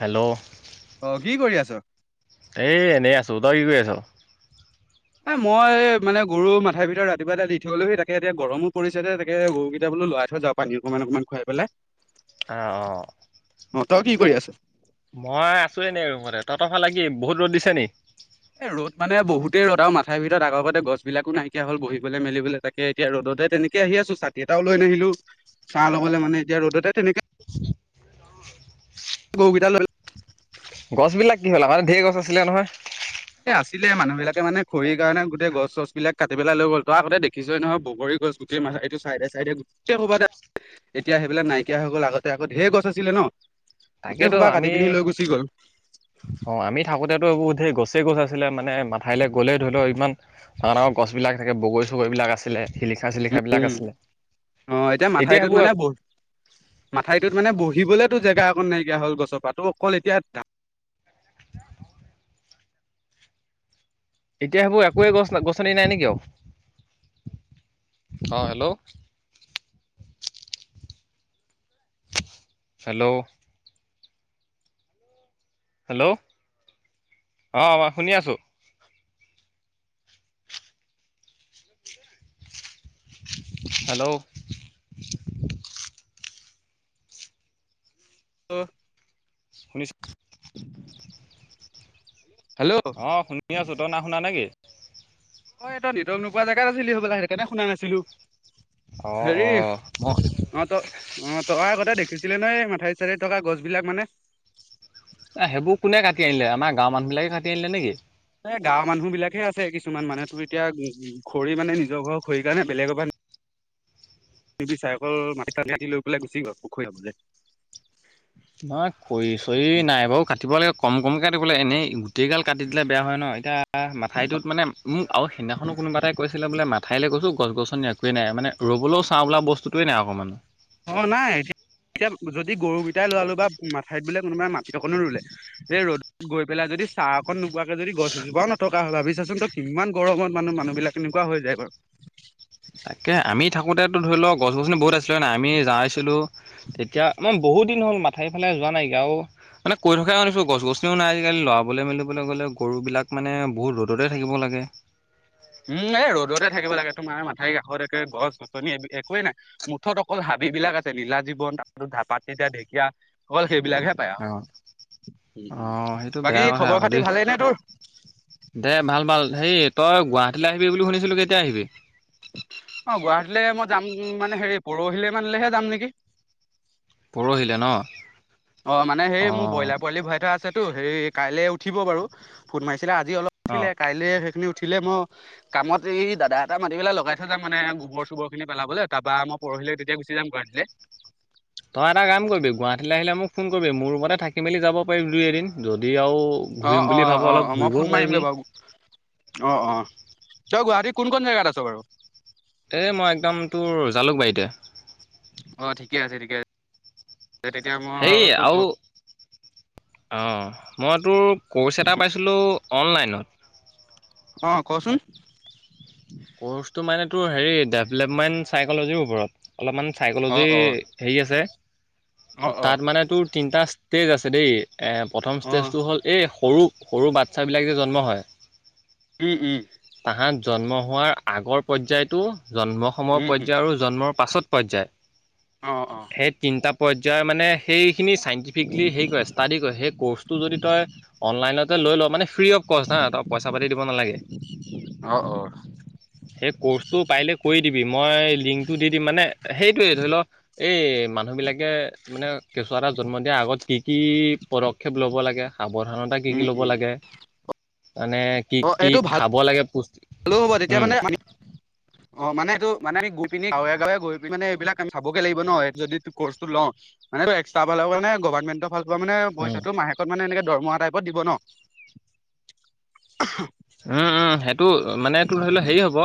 Hello! অ কি কৰি আছ? এ এনেই আছো। তই কি কৰি আছ‌? এ মই মানে গৰু মাথাৰি ভিতৰত ৰাতিপুৱা এটা দি থৈ গলোহি। তাকে এতিয়া গৰমো পৰিছে যে তাকে গৰুকেইটা বোলো লৰাই থৈ যাওঁ। পানী অকনমান অকনমান খুৱাই পেলাই। আ, অ'। অ', তই কি কৰি আছ? মই আছো এনেই ৰুমতে। তহঁতৰ ফালে কি বহুত ৰ'দ দিছে নেই? এ ৰ'দ মানে বহুতে ৰ'দ আৰু মাথাৰি ভিতৰত আগৰ গতে গছ বিলাকো নাইকিয়া হ'ল, বহিবলৈ মেলিবলৈ তাক এতিয়া ৰ'দতে তেনেকে আহি আছোঁ, ছাতি এটাও লৈ নাহিলোঁ। চাহ লবলে মানে এতিয়া ৰ'দতে তেনেকে, গৰুকেইটা লৈ গছবিলাক কি হ'ল? আগতে ধেৰ গছ আছিলে নহয়। এ আছিলে মানুহ বিলাকে মানে খৰিৰ কাৰণে গোটেই গছ-চচ বিলাক কাটি পেলাই লৈ গ'ল, তই আগতে দেখিছই নহয় বগৰী গছ বোৰ। এ, মথাৰি এইটো চাইডে, চাইডে গোটেই খোপাতে। এতিয়া সেইবিলাক নাইকিয়া হৈ গ'ল, আগতে আকৌ ধেৰ গছ আছিলে ন। গোটেই তাকেতো খোপা কাটি আমি পিনী লৈ গুচি গ'ল। অ', আমি থাকোতেটো এইবোৰ গছেই গছ আছিলে, মানে মাথাৰিলৈ গ'লেই ধৰি লও ইমা ডাঙৰ, ডাঙৰ গছ বিলাক থাকে, বগৰ-চগৰি বিলাক আছিলে। সিলিখা-চিলিখা বিলাক উম, আছিলে, অ, এতিয়া সেইবোৰ আৰু মাথাৰীটোত মানে বহিবলৈ তো জেগা অকণ নাইকিয়া হ'ল গছৰ পৰা, টোৰ অকল এতিয়া [inaudible] এতিয়া সেইবোৰ একোৱেই গছ গছনি নাই নেকি আৰু? অ', হেল্ল'। হেল্ল'। হেল্ল' অ', শুনি আছোঁ। হেল্ল'। [unintelligible] শুনিছোঁ। [inaudible] অ', শুনি আছোঁ তই না শুনা নেকি? অ', ত নেটৱৰ্ক নোপোৱা জেগাত আছিলি চাগে সেইটোকৰণে শুনা নাছিলোঁ। অ', অ', ম অ', ত অ', তই আগতে দেখিছিলে নে মাথাই চাইদে থকা গছ বিলাক মানে। এই সেইবোৰ কোনে কাটি আনিলে আমাৰ গাঁৱৰ মানুহবিলাকে কাটি আনিলে নেকি? এ, গাঁৱৰ মানুহ বিলাকহে আছে কিছুমান মানেহ তুমি এতিয়া উম, খৰি মানে নিজৰ ঘৰৰ খৰিৰ কাৰণে বেলেগৰ পৰা। তিবি চাই অকল মাটি টানি লৈ পেলাই গুচি গ'ল পুখুৰীলৈ। নহয় খৰি চৰি নাই বাৰু কাটিব লাগে, কম কমকে কাটিবোলে এনেই। গোটেইগাল কাটি দিলে বেয়া হয় ন, এতিয়া মাঠাইটোত মানে মোক আৰু সিদিনাখনো কোনোবাতোই কৈছিলে বোলে মা ঠাইলৈ গৈছোঁ গছ-গছনি একোৱ নাই মানে ৰবলৈওঁ বস্তুোৱেই নাই অকণমান। অ', নাই এয়া-এতিয়া যদি গৰুকিটাই লালোঁ বা মাথাইত বোলে কোনোবাই মাটি অকণো ৰুলে। এই ৰ'দত। গৈ পেলাই যদি চাহ অকন নোপোৱাকে যদি গছ এজোপাওঁ নথকা হয়, ভাবিছাচোন তই কিমান গৰমত মানুহ, মানুহ বিলাক। কেনেকুৱা হৈ যায় বাৰু। [inaudible] তাকে আমি থাকোতেতোঁ ধৰি ল গছ-গছনি বহুত আছিলে হয় নাই, আমি যাইছিলোঁ তেতিয়া আ বহুত দিন হ'ল মাথাাইৰ ফালে যোৱা নাইকাও। মানে কৈ থকাই শুনিছোঁ গছ-গছনিও নাই, আজিকালি লৰাবলৈ মেলিবলৈ গ'লে গৰুবিলাক মানে বহুত ৰ'দতে থাকিব লাগে। উম, এই ৰ'দতে থাকিব লাগে তোমাৰ মথাউৰি কাষত একে গছ-গছনি একোৱেই নাই। মুঠত অকল হাবি বিলাক আছে নীলাজীৱন, পাত তিতা, ঢেঁকীয়া অকল সেইবিলাকে। পাই আৰু অ', অ', সেইটো বাকী বেয়া কথা খবৰ আকৌ দেই। পাতি ভালেই নে তোৰ? দে ভাল, ভাল হেৰি তই গুৱাহাটীলৈ আহিবি বুলি শুনিছিলোঁ কেতিয়া আহিবি? অ', গুৱাহাটীলৈ মই যাম মানে হেৰি পৰহিলৈ মানহে যাম নেকি। পৰহিলে ন? অ', মানে সেই অ মোৰ ব্ৰইলাৰ পোৱালি ভৰাই থোৱা আছেতো, সেই কাইলৈ উঠিব বাৰু ফোন মাৰিছিলে আজি অলপ। অ উঠিলে কাইলৈ সেইখিনি উঠিলে ম কামত এই দাদা এটা মাতি পেলাই লগাই থৈ যাম মানে, গোবৰ চোবৰ খিনি পেলাবলৈ তাৰপৰা আম পৰহিলৈ তেতিয়া গুচি যাম তেতিয়া গুৱাহাটীলে। তই এটা কাম কৰিবি গুৱাহাটীলৈ আহিলে মোক ফোন কৰিবি, মোৰ ৰুমতে থাকি মেলি যাব পাৰি দুই এদিন যদি আৰু ঘূৰিম অ', বুলি অ', ভাব অলপ অ', অ'মই ঘূৰিবও ফোন পাৰিবি মাৰিমগৈ বাৰু। অ', অ', তই গুৱাহাটী কোন কন জেগাত আছ বাৰু? এ, মই একদম তোৰ জালুকবাৰীতে। অ', ঠিকে আছে ঠিকে আছ [unintelligible] তেতিয়া ম হেই আও অ', মই তোৰ ক'ৰ্চ এটা পাইছিলোঁ অনলাইনত। অ', কচোন। ক'ৰ্চটো মানে তোৰ হেৰি ডেভেলপমেণ্ট চাইকলজিৰ ওপৰত। অলপমান অ চাইকলজি অ হেৰি আছে। অ ত' অ তাত মানে তোৰ তিনটা ষ্টেজ আছে দেই, এ প্ৰথম অ ষ্টেজটো হ'ল এই সৰু সৰু বাচ্ছাবিলাক যে জন্ম হয়। উম, উম। তাহাত জন্ম হোৱাৰ আগৰ পৰ্যায়তো, জন্ম সময়ৰ উম উম পৰ্যায় আৰু জ জন্মৰ পাছত পৰ্যায় অঁ অঁ সেই তিনিটা পদ তই মানে সেইখিনি চাইণ্টিফিকলি হেৰি কৰে ষ্টাডি কৰে সেই ক'ৰ্চটো যদি তই অনলাইনত তা লৈ ল মানে ফ্ৰী অফ কষ্ট হা ত পইচা পাতি দিব নালাগে কি [inaudible] অ অ সেই কোৰ্চটো পাৰিলে, কৰি দিবি। মই লিংকটো দি দিম, মানে, সেইটোৱে ধৰি লও। এই মানুহবিলাকে, মানে, কেঁচুৱা এটা জন্ম দিয়াৰ আগত, কি কি পদ ক্ষেপ ল'ব লাগে, সাৱধানত। কি উম কি ল'ব উম লাগে, মানে, কি কি খাব লাগে, পুষ্টি হ'লো, হ'ব তেতিয়া, উম মানে, আমি অ', মানে, এইটো, মানে, আমি গৈ পিনি, গাঁৱে-গাঁৱে গৈ পিনি, মানে, এইবিলাক আমি চাবগৈ লাগিব, ন, যদি কোৰ্চটো লওঁ। মানে, এইটো, এক্সটাবলৰ কাৰণে, গভৰ্ণমেণ্টক ভাল পোৱা, মানে, উম পইচাটো, মাহেকত, মানে, এনেকে, দৰমহা টাইপত দিব, ন? উম, উম। সেইটো, মানে, তোৰ ধৰি লওঁ, হেৰি হ'ব।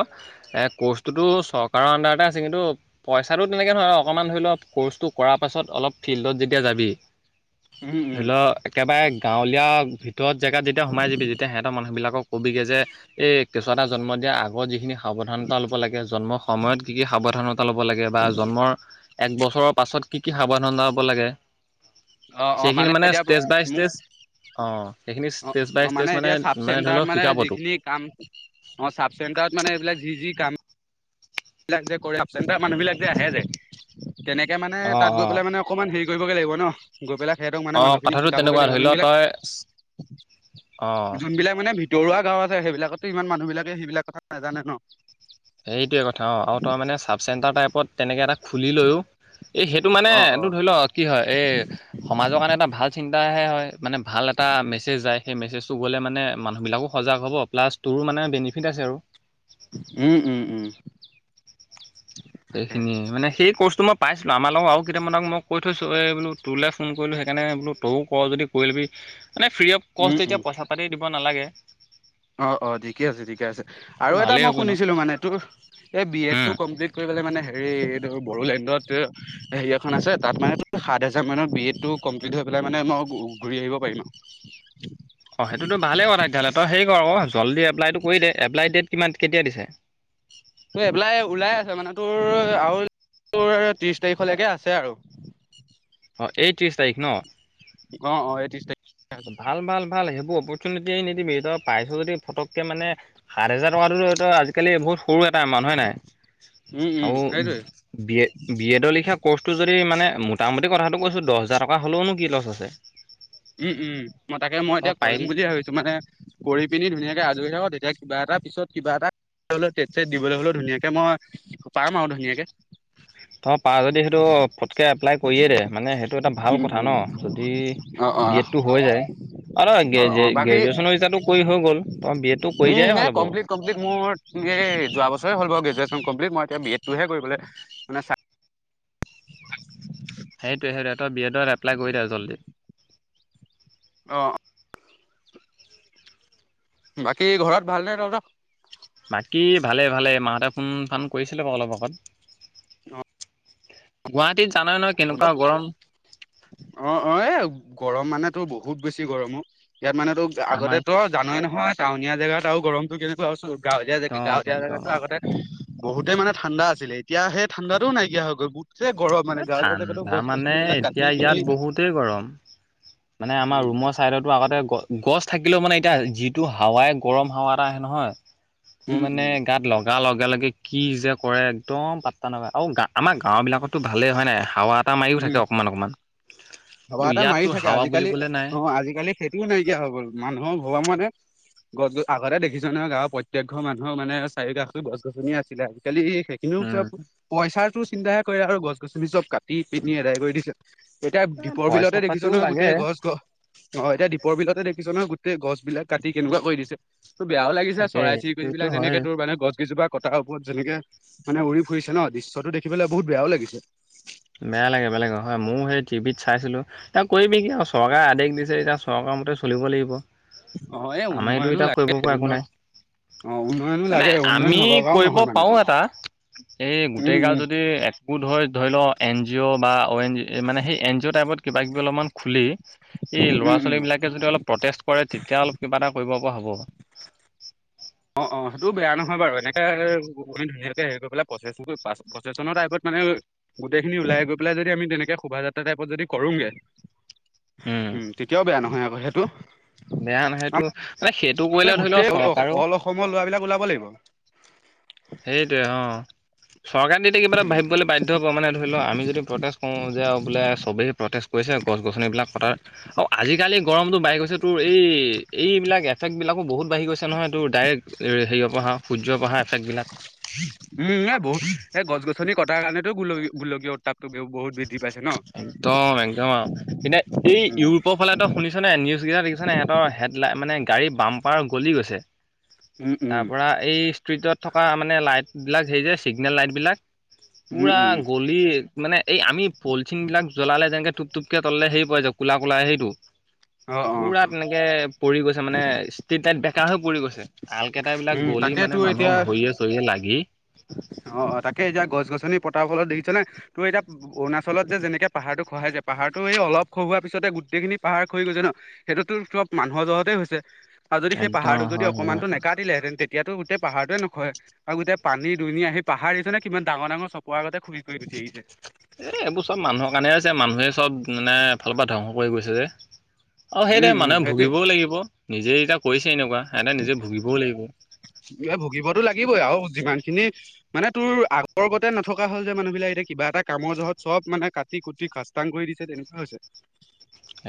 এ, কোৰ্চটোতো, চৰকাৰৰ আণ্ডাৰতে আছে, কিন্তু পইচাটো, তেনেকে নহয়। অকণমান, ধৰি লওক, কোৰ্চটো কৰাৰ পাছত, অলপ ফিল্ডত, যেতিয়া যাবি উম ধৰি উম ল, একেবাৰে, গাঁৱলীয়া ভিতৰৰ জেগাত, যেতিয়া সোমাই যাবি, যেতিয়া, সিহঁতৰ মানুহবিলাকক ক'বি কে, যে এই, কেঁচুৱা এটা জন্ম দিয়াৰ আগত, যিখিনি সাৱধানতা ল'ব লাগে, জন্মৰ সময়ত, কি কি সাৱধানতা ল'ব লাগে, বা, জন্মৰ এক বছৰৰ পাছত, কি কি সাৱধানতা ল'ব লাগে। অ অ সেইখিনি, মানে, এতিয়া ষ্টেজ বাইজ মোক ষ্টেজ অ', সেইখিনি, অ ষ্টেজ বাইজ অ ষ্টেজ, মানে, এতিয়া চাব মানে, ধৰি ল, চেণ্টাৰত শিকাবটোক। যিখিনি কাম অ', চাব চেণ্টাৰত, মানে, এইবিলাক, যি যি কাম [inaudible] মানুহবিলাক যে আহে, যে, তেনেকে, মানে, অ তাত গৈ অ পেলাই, মানে অকণমান, হেৰি কৰিবগৈ লাগিব, ন, গৈ পেলাই। সিহঁতক, মানে, অ মানুহখিনি, কথাটো শিকাবগৈ তেনেকুৱা লাগিব। ধৰি লও যোনবিলাক, তই অ [inaudible] যোনবিলাক, মানে দৰুৱা গাঁও আছে, সেইবিলাকতো, ইমান মানুহবিলাকে, সেইবিলাক কথা নাজানে, ন। সেইটোৱে কথা। অঁ, আৰু তই, মানে, চাব চেণ্টাৰ টাইপত, তেনেকে এটা খুলি লৈও, এই, সেইটো, মানে, অ অ এইটো ধৰি লওক, কি হয়, এই সমাজৰ কাৰণে, এটা ভাল চিন্তাহে হয়। মানে, ভাল এটা মেছেজ যায়। সেই মেছেজটো গ'লে, মানে, মানুহবিলাকো সজাগ হ'ব। প্লাছ, তোৰো, মানে, বেনিফিট আছে, আৰু উম, উম, উম। তাকে সেইখিনিয়ে, মানে, সেই কোৰ্চটো, মই পাইছিলোঁ, আমাৰ লগতো। আৰু, কেইটামানক মই কৈ থৈছোঁ। এই, বোলো, তোলৈ ফোন কৰিলোঁ, সেইকাৰণে। বোলো, তয়ো কৰ, যদি কৰি ল'বি। মানে, ফ্ৰী অৱ উম কষ্ট। উম যেতিয়া, পইচা-পাতি দিব নালাগে অ, অ, ঠিকে আছে, ঠিকে আছে। সেইটো আৰু এটা, ভালেই মই হ'ব ন শুনিছিলোঁ, মানে, তোৰ এই বি এড উম টো কমপ্লিট [inaudible] মানে হেৰি, বড়োলেণ্ডত হেৰি এখন আছে। তাত মানে, সাত হাজাৰ মানত, বি এড টো কমপ্লিট হৈ পেলাই, মানে, মই ঘূৰি আহিব পাৰিম। [inaudible] অ', সেইটোতো ভাৱে কথা। তেতিয়া হ'লে তই হেৰি কৰ আকৌ, জলদি, এপ্লাইটো কৰি দে। এপ্লাই ডেট, কিমান, কেতিয়া দিছে? তোৰ, এপ্লাই ওলাই আছে, মানে, তোৰ আৰু তোৰ, ত্ৰিশ তাৰিখলৈকে আছে, আৰু অ', এই ত্ৰিশ তাৰিখ, ন? অঁ, অঁ, এই ত্ৰিশ তাৰিখ। ভাল, ভাল, ভাল। সেইবোৰ অপৰচুনিটি এৰি নিদিবি। তই পাইছ যদি, ফটকে, মানে সাত হাজাৰ টকাটো তো, আজিকালি বহুত সৰু এটা এমাউণ্ট হয় নাই? উম উম আৰু সেইটোৱে বি এ, বি এডৰ লিখা কোৰ্চটো যদি মানে, মোটামুটি কথাটো কৈছোঁ, দহ হাজাৰ টকা হ'লেওনো, কি লছ আছে? উম, উম। মই তাকে, মই তই এতিয়া কৰিম পাৰিলি বুলি ভাবিছোঁ, মানে কৰি পিনি ধুনীয়াকৈ আজৰি হ। তেতিয়া, কিবা এটা, পিছত কিবা এটা পিছলৈ টেট-ছেট দিবলৈ হ'লেও, ধুনীয়াকৈ মই পাম আৰু ধুনীয়াকৈ তই পাৰ যদি, সেইটো ফটকে এপ্লাই কৰিয়ে দে। মানে সেইটো এটা ভাল উম কথা উম ন, যদি অ অ বি এড টো হৈ যায়। অঁ অ গে-গে অ বাকী গ্ৰেজুৱেশ্যন এতিয়াটো কৰি হৈ গ'ল। তই, বি এড টো কৰি উম দিয়াই এই ভাল হ'ব। কমপ্লিট কমপ্লিট মোৰ হেৰি, যোৱা বছৰে হ'ল বাৰু গ্ৰেজুৱেশ্যন কমপ্লিট। মই এতিয়া, বি এড টোহে কৰিবলে মানে, চাই [unintelligible] সেইটোৱে সেইটোৱে তই বি এডত এপ্লাই কৰি দে জল্দি। অ' বাকী ঘৰত ভালনে তহঁতৰ। বাকী ভালে ভালে মাহঁতে ফোন ফান কৰিছিলে বাৰু অলপ আগত। গুৱাহাটীত জানাই নহয় কেনেকুৱা [unintelligible] অ' গৰম অ' এ, গৰম মানেতো বহুত বেছি গৰম অ' ইয়াত মানেতো, আমাৰ আগতে ত জানোৱেই নহয় টাউনীয়া জেগাত আৰু গৰমতটো কেনেকুৱা গাঁৱলীয়া জেগা একদম গাঁৱলীয়া একদম জেগাতো আৰু। আগতে বহুতেই মানে ঠাণ্ডা আছিলে। এতিয়া সেই ঠাণ্ডাতো নাইকিয়া হৈ গ'ল, গোটেই গৰম মানে গাঁৱলীয়া উ্ জেগাতো তাৰ গছ মানে গছনিবিলাক এতিয়া কাটি পিনি ইয়াত বহুতেই গৰম মানে, আমাৰ উম ৰুমৰ চাইডতো আগতে গ গছ থাকিলেও মানে, এতিয়া যিটো হাৱাই গৰম হাৱা এটা আহে নহয়। তোৰ উম মানে গাত লগ লগাৰ লগে-লগে কি যে কৰে, একদম পাত্তা নাপায় আৰু গা আমাৰ গাঁওবিলাকত টো ভালেই হয় নাই, হাৱা এটা মাৰিও উম থাকে অকণমান অকণমান ভবা কিন্তু এটা মাৰি ইয়াততো থাকে হাৱা আজিকালি বুলিবলৈ অ নাই। আজিকালি টোও নাইকিয়া হৈ গ'ল, মানুহৰ [unintelligible] মানে গছ গছ আগতে দেখিছোঁ নহয়। গাঁৱৰ প্ৰত্যেক ঘৰ মানুহৰ মানে, চাৰি কাষে গছ গছনি এ আছিলে, আজিকালি কিন্তু চব উম, পইচা টো চিন্তাহে কৰে, আৰু গছ গছনি চব কাটি পিনি এদায় কৰি দিছে। এতিয়া দ্বীপৰ পইচা বিলতে দেখিছ পাতিও নহয়, লাগে গোটেই গছ গ অ' এতিয়া দ্বীপৰ বিলাকতে দেখিছ নহ, গোটেই গছ বিলাক কাটি কেনেকুৱা কৰি দিছে। তোৰ বেয়াও লাগিছে, থাকে চৰাই চিৰিকটি সেইটোতো বিলাক হয়ে। যেনেকে তোৰ মানে গছ কেইজোপাক কটাৰ ওপৰত যেনেকে মানে, উৰি ফুৰিছে ন, দৃশ্যটো দেখিবলে বহুত বেয়াও লাগিছে। বেয়া লাগে বেয়া লাগে হয়। ময়ো সেই টিভিত চাইছিলো, এয়া কৰিবি কি আৰু অ চৰকাৰে আদেশ দিছে এতিয়া চৰকাৰ মতে চলিব লাগিব, অ এই আমিতো উন্নয়নো এতিয়া কৰিব লাগে পৰা একো উন্নয়ন নাই। অ উন্নয়নো মানে লাগে উন্নয়ন আমি নলগাও কৰিব নহয় মানে পাৰোঁ, তোৰ এটা এই গোটেই উম গাল উম যদি এক গোট হৈ ধৰি ল, এন জি অ' বা অ' এন জি মানে, সেই এন জি অ' টাইপত কিবা-কিবি অলপমান খুলি এই উম উম ল'ৰা-ছোৱালী বিলাকে যদি অলপ প্ৰটেষ্ট কৰে, তেতিয়া অলপ কিবা এটা কৰিব পৰা হ'ব। অ' অ' সেইটো বেয়া নহয় বাৰু এনেকে গৈ ধুনীয়াকে হেৰি কৰিব পেলাই, প্ৰচেচিং প্ৰচেছনৰ টাইপত মানে গোটেইখিনি ওলাই গৈ পেলাই যদি, তেনেকে শোভাযাত্ৰা টাইপত যদি কৰোগে [inaudible] উম তেতিয়াও বেয়া নহয় আকৌ সেইটো বেয়া নাই সেইটো মানে সেইটো কৰিলে ধৰি লও চৰকাৰো সময়ৰ ল'োৱবিলাক ওলাব লাগিব সেইটোৱে অ চৰকাৰে তেতিয়া কিবা এটা উম ভাবিবলৈ উম বাধ্য হ পব মানে ধৰি লও আমি যদি প্ৰ অ যে বোলে চবেই প্ৰটেষ্ট কৰিছে গছ গছনিবিলাক কটাত অঁ আজিকালি গৰমটো বাঢ়ি গৈছে তোৰ এইবিলাক এফেক্টবিলাকো বহুত বাঢ়ি গৈছে নহয় তোৰ ডাইৰেক্ট সেৰি অপ পৰা হাঁ উম এ বৌ এই গছ গছনি কটাৰ কাৰণেতো গো গোুলকীয় উত্তাপটো বহুত পাইছে ন একদম একদম আৰু এতিয়া এই উম ইউৰোপৰ ফালেতো শুনিছনেে নিউজকেইটা দেখিছেনেেিহঁৰ হেডলাই মানে গাড়ী বাম্পাৰ গলি গৈছে উম তাৰ উম পৰা এই ষ্ট্ৰিটত থকা মানে লাইট বিলাক হেৰি যে চিগনেল লাইট বিলাক উম পুৰা উম গলি মানে এই আমি পলিথিন বিিলাক জ্বলালে যেনেকে টোপ টোপক তললে হেৰি পাই যায় কোলা কোলা সেইটো অ অ পুৰা তেনেকে পৰি গৈছে মানে ষ্ট াইত বেকা হৈ পৰি গৈছে আল কেইটাবিলাক উম গলি তাকেতো মানে এতিয়া মানুহক ভৰিয়ে চৰিয়ে লাগি অ তাকে এতিয়া গছ গছনি পতাৰ ফলত দেখিছনেে তোৰ এতিয়া অৰুণাচলত যেনেকে পাহাৰটো খহাইায় পাহাৰটো এই অল খহোৱা পিছতে গোটেইখিনি পাহাৰ খৰি গৈছে ন সেইটোতো চব মানুহৰ জ্বৰতেই হৈছে আৰু যদি সেই একদম পাহাৰতটো যদি হয় হয়। অকনমানো ন কাটিলে হেতেন তেতিয়াটো গোটেই পাহাৰতোৱে নখহে আৰু গোটেই পানী দুনী আহি পাহাৰ দেখিছ নে কিমান ডাঙৰ ডাঙৰ চকুৰ আগতে খহি খহি গুচি আহিছে এ এইবোৰ চব মানুহৰ কাৰণে হৈছে মানুহে চব মানে এফালৰ পৰা ধ্বংস কৰি গৈছে যে অ সেইটোৱে উম, উম, মানুহে সেইটোৱে ভুগিবও লাগিব। নিজে যেতিয়া কৰিছেই এনেকুৱা সেহেতে নিজে ভুগিবও লাগিব এতিয়া ভুগিবতো লাগিবই আৰু যিমান খিনি মানে তোৰ আগৰ গতে নথকা হ'ল যে মানুহবিলাক, এতিয়া কিবা এটা কামৰ জহত চব মানে কাট কাটি কুটি সাস্তাং কৰি দিছে তেনেকুৱা হৈছে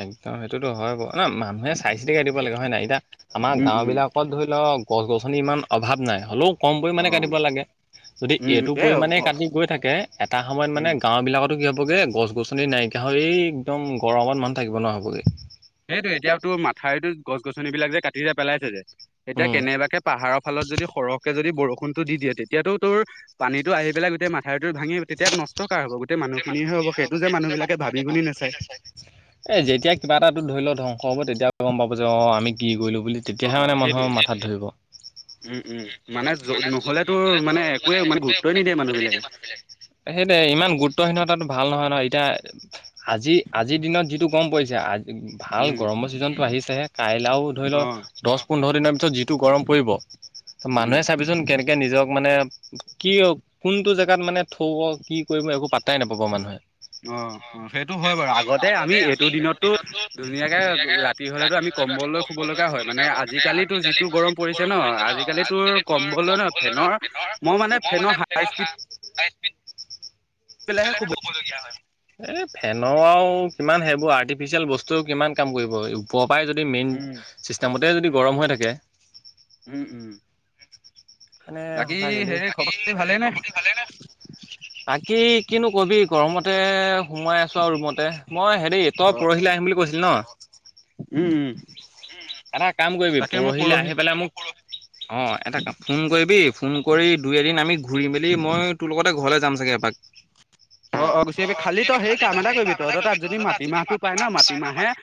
একদম সেইটোতো হয় বও। ন মানুহে চাই চিতি কাই দিব লাগিব হয় নাই এতিয়া আমাৰ উম, গাঁও উম, বিলাক ধৰি লওক গছ গছনি ইমান অভাৱ নাই হ'লেও কম পৰিমাণে অ', কাটিব লাগে। যদি উম, এইটো এ পৰিমাণে অ', কাটি গৈ থাকে এটা সময়ত মানে উম। গাঁওবিলাকত কি হ'বগে গছ গছনি নাইকিয়া হৈ এই একদম গৰমত মানুহ থাকিব নোৱাৰা হবগে সেইটোৱে এতিয়াটো মথাউৰিটোত গছ গছনি বিলাক যে কাটি যে পেলাইছে যে এতিয়া উম কেনেবাকে পাহাৰৰ ফালত যদি সৰহকে যদি বৰষুণটো দি দিয়ে তেতিয়াটো তোৰ পানীটো আহি পেলে গোটে মথাউৰিটো ভাঙি তেতিয়া নষ্ট কাৰ হব সেই মানুখিনিয়ে হে হব সেইটো যে মানুহবিলাকে ভাবি গুণী নেচায় এ যেতিয়া কিবা এটা তোৰ ধৰি ল ধ্বংস হ'ব তেতিয়াহে গম পাব যে অ আমি কি কৰিলো বুলি অ', তেতিয়াহে মানে অ', মানুহ সেইটোৱে মাথাত ধৰিব উম উম মানে নকলেতো আৰু মানে একোৱে মানে শু নিদিয়ে মানুহ বেলেগ [inaudible] হেই দে ইমান গোট উদাহীনতাটো ভাল নহয় ন এতিয়া আজি আজিৰ দিনত যিটো গৰম পৰিছে আজি ভাল উম, গৰমৰ ছিজনটো আহিছেহে কাইলাও ধৰি ল অ', দহ পোন্ধৰ দিনৰ পিছত যিটো গৰম পৰিব উম। মানুহে চাবিচোন কেনেকে নিজক মানে কিয় কোনটো জেগাত মানে থব কি কৰিব একো পাত পট্টাই নাপাব মানুহে অ সেইটো হয় বাৰু আগতে আমি সেইটো দিনটো ধুনীয়াকে ৰাতি হ'লেতো আমি কম্বল লৈ শুব লগা হয় মানে আজিকালি তোৰ যিটো গৰম পৰিছে ন আজিকালিত তোৰ কম্বলৰ বা বেদকভাৰ মই মানে ফেনৰ হা পেলেহে শুব এই ফেনৰ আওঁ কিমান সেইবোৰ আৰ্টিফিচিয়েল বস্তুও কিমান কাম কৰিব পুৱা পৰাই যদি মেইন উম, ছিষ্টেমতে যদি গৰম হৈ থাকে উম উম মানে বাকী সঁচাকে দেই, হেৰি বাকি খবৰ খাতি এই ভালেই নে? সকলোৰে ভালে নে বাকি কিনো কবি, গৰমতে সোমাই আছো আৰু ৰুমতে মই হেৰি তই, অ', পৰহিলৈ অ', আহিম বুলি কৈছিলি ন উম, উম, এটা কাম কৰিবি, তাকে মই পৰহিলৈ পৰহি আহি পেলাই মোক অ', এটা ফোন কৰিবি, ফোন কৰি দুই এদিন আমি ঘূৰি মেলি মই, তোৰ লগতে ঘৰলৈ যাম চাগে এপাক অ', অ', কি কৰিবি খালি তই হেই কাম এটা কৰিবি, তহঁতৰ তাত যদি মাটিমাহটো পায় ন মাটি